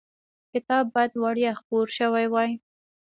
کتاب باید وړیا خپور شوی وای.